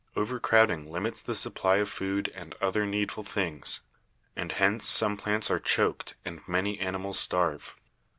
Over crowding limits the supply of food and other needful igo BIOLOGY things, and hence some plants are 'choked' and many animals starve.